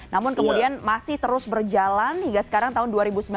namun kemudian masih terus berjalan hingga sekarang tahun dua ribu sembilan belas